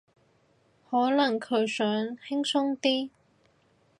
可能佢想輕鬆啲